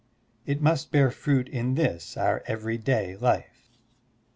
It must bear fruit in this our everyday life.